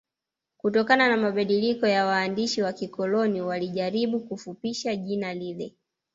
Kutokana na mabadiliko ya waandishi wa kikoloni walijaribu kufupisha jina lile